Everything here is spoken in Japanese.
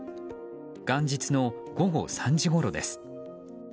元日の午後３時ごろです。